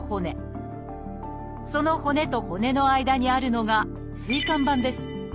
その骨と骨の間にあるのが椎間板です。